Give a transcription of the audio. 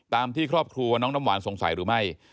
ที่ครอบครัวน้องน้ำหวานสงสัยหรือไม่